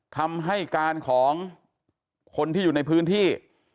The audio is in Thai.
คำให้การของคนที่อยู่ในพื้นที่